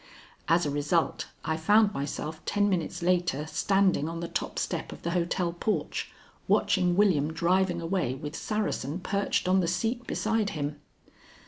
As a result, I found myself ten minutes later standing on the top step of the hotel porch, watching William driving away with Saracen perched on the seat beside him.